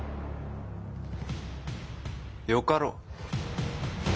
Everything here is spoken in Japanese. よかろう。